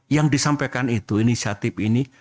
yang disampaikan itu inisiatif ini